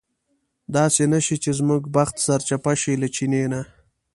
داسې نه شي چې زموږ بخت سرچپه شي له چیني نه.